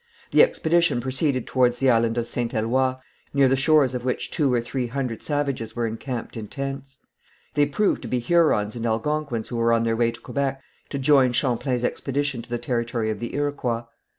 The expedition proceeded towards the island of St. Eloi, near the shores of which two or three hundred savages were encamped in tents. They proved to be Hurons and Algonquins who were on their way to Quebec to join Champlain's expedition to the territory of the Iroquois.